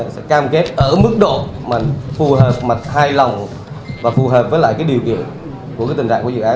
sẽ cam kết ở mức độ mà phù hợp mà hài lòng và phù hợp với lại cái điều kiện của cái tình trạng của dự án